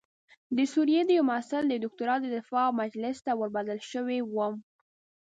د سوریې د یوه محصل د دکتورا د دفاع مجلس ته وربلل شوی وم.